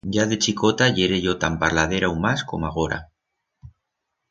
Ya de chicota yere yo tan parladera u mas como agora.